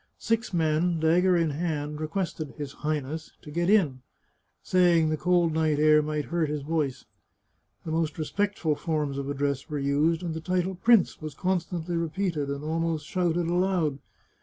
Six men, dagger in 244 The Chartreuse of Parma hand, requested " his Highness " to get in, saying the cold night air might hurt his voice. The most respectful forms of address were used, and the title " prince " was constantly repeated, and almost shouted aloud.